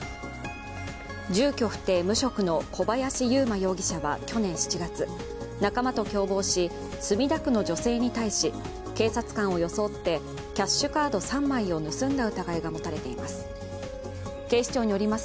住居不定・無職の小林悠眞容疑者は去年７月、仲間と共謀し、墨田区の女性に対し警察官を装ってキャッシュカード３枚を盗んだ疑いが持たれています。